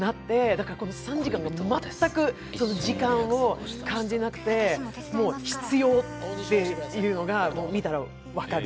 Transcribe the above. だからこの３時間が全く時間を感じなくてもう必要っていうのが見たら分かる。